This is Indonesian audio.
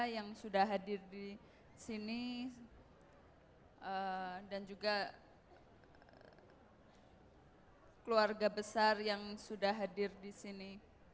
yang sudah hadir di sini dan juga keluarga besar yang sudah hadir di sini